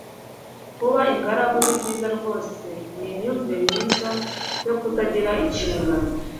kuba ingaragu ni byiza rwose ni imyumvire myiza yo kutagira inshingano